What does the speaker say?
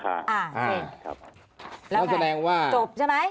อ่าใช่ครับแล้วไงจบใช่ไหมคืออย่างน้องแสดงว่า